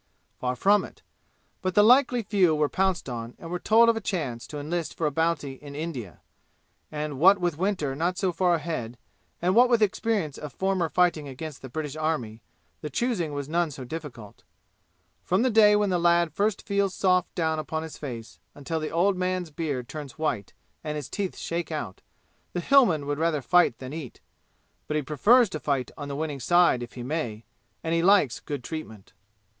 Far from it. But the likely few were pounced on and were told of a chance to enlist for a bounty in India. And what with winter not so far ahead, and what with experience of former fighting against the British army, the choosing was none so difficult. From the day when the lad first feels soft down upon his face until the old man's beard turns white and his teeth shake out, the Hillman would rather fight than eat; but he prefers to fight on the winning side if he may, and he likes good treatment.